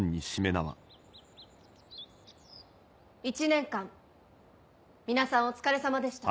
１年間皆さんお疲れさまでした。